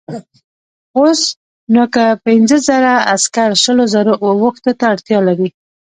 اوس نو که پنځه زره عسکر شلو زرو اوښانو ته اړتیا لري.